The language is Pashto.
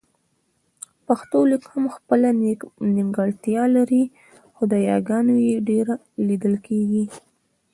پښتو لیک هم خپله نيمګړتیا لري خو د یاګانو يې ډېره لیدل کېږي